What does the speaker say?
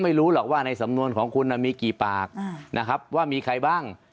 ไม่รู้หรอกว่าในสำนวนของคุณมีกี่ปากนะครับว่ามีใครบ้าง